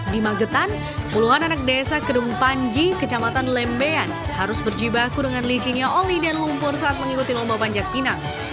di magetan puluhan anak desa kedung panji kecamatan lembean harus berjibaku dengan licinya oli dan lumpur saat mengikuti lomba panjat pinang